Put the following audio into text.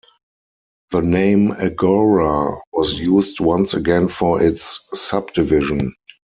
The name agora was used once again for its subdivision.